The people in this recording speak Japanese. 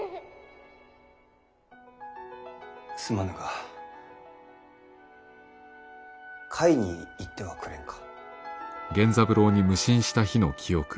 すまぬが甲斐に行ってはくれんか？